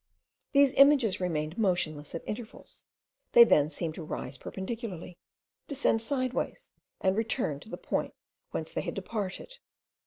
These images remained motionless at intervals, they then seemed to rise perpendicularly, descended sideways, and returned to the point whence they had departed.